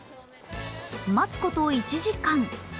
待つこと１時間。